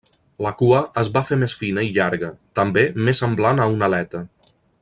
La cua es va fer més fina i llarga, també més semblant a una aleta.